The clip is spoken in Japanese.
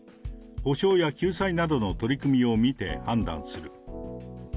補償や救済などの取り組みを見て判断する。